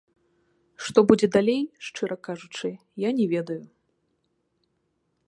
Што будзе далей, шчыра кажучы, я не ведаю.